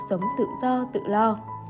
sống tự do tự lo